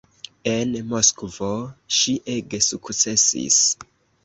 En Moskvo ŝi ege sukcesis.